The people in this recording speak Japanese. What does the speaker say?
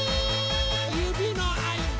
ゆびのあいだ！